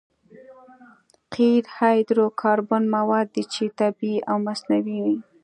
قیر هایدرو کاربن مواد دي چې طبیعي او مصنوعي وي